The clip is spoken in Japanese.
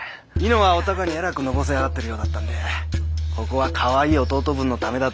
猪之はお孝にえらくのぼせ上がってるようだったんでここはかわいい弟分のためだと思い